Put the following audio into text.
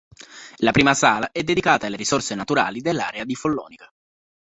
La prima sala è dedicata alle risorse naturali dell'area di Follonica.